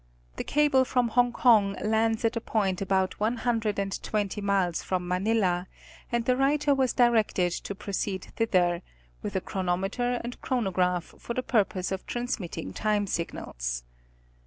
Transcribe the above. The cable from Hong Kong lands at a point about one hundred .and twenty miles from Manila, and the writer was directed to proceed thither, with a chronometer and chronograph for the purpose of transmitting time signals.